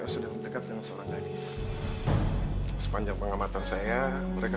sampai jumpa di video selanjutnya